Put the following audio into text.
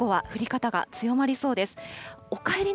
特に午後は降り方が強まりそうです。